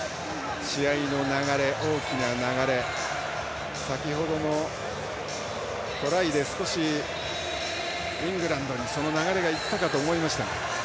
試合の流れ、大きな流れ先程のトライで少しイングランドに、その流れが行ったかと思いましたが。